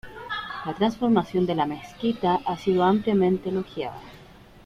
La transformación de la mezquita ha sido ampliamente elogiada.